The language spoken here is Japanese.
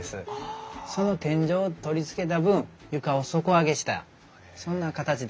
その天井を取り付けた分床を底上げしたそんな形ですね。